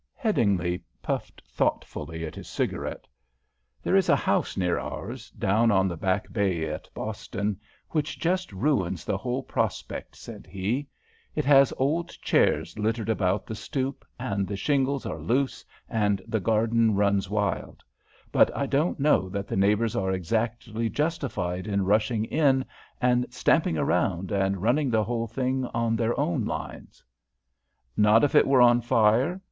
Headingly puffed thoughtfully at his cigarette. "There is a house near ours, down on the Back Bay at Boston, which just ruins the whole prospect," said he. "It has old chairs littered about the stoop, and the shingles are loose, and the garden runs wild; but I don't know that the neighbours are exactly justified in rushing in, and stamping around, and running the thing on their own lines." "Not if it were on fire?"